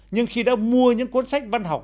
nhưng khi đã mua những cuốn sách văn học